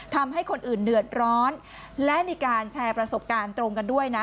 ทำให้คนอื่นเดือดร้อนและมีการแชร์ประสบการณ์ตรงกันด้วยนะ